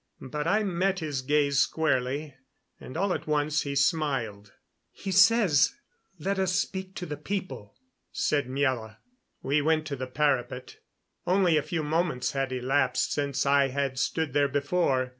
But I met his gaze squarely, and all at once he smiled. "He says, 'Let us speak to the people,'" said Miela. We went to the parapet. Only a few moments had elapsed since I had stood there before.